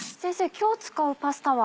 今日使うパスタは？